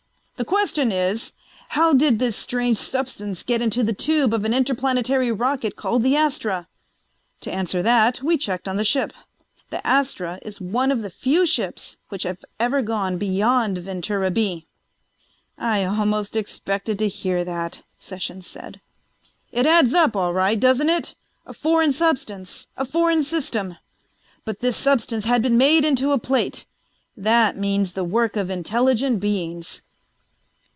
The question is: How did this strange substance get into the tube of an Interplanetary rocket called the Astra? To answer that we checked on the ship. The Astra is one of the few ships which have ever gone beyond Ventura B!" "I almost expected to hear that," Sessions said. "It adds up, all right, doesn't it? A foreign substance, a foreign system. But this substance had been made into a plate. That means the work of intelligent beings."